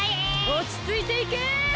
おちついていけ！